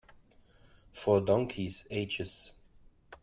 For donkeys' ages.